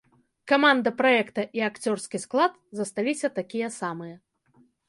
Каманда праекта і акцёрскі склад засталіся такія самыя.